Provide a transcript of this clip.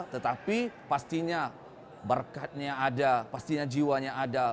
tetapi pastinya berkatnya ada pastinya jiwanya ada